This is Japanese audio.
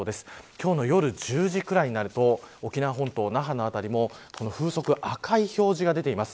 今日の夜１０時ぐらいになると沖縄本島、那覇の辺りも風速、赤い表示が出ています。